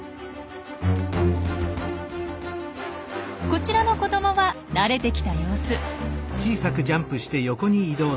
こちらの子どもは慣れてきた様子。